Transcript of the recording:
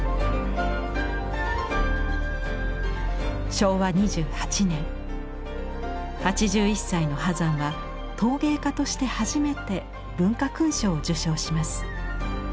昭和２８年８１歳の波山は陶芸家として初めて文化勲章を受章します。